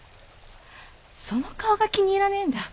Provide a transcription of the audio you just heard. その顔が気に入らねえんだ。